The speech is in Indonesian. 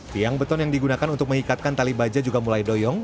tiang beton yang digunakan untuk mengikatkan tali baja juga mulai doyong